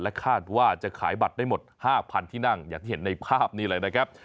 คาดว่าจะขายบัตรได้หมด๕๐๐ที่นั่งอย่างที่เห็นในภาพนี้เลยนะครับ